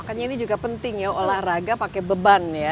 makanya ini juga penting ya olahraga pakai beban ya